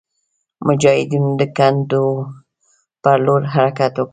مجاهدینو د کنډو پر لور حرکت وکړ.